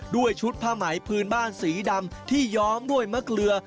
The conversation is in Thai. ด้วยชุดผ้าไหมพื้นบ้านสีดำที่ย้อมด้วยมะเกลือ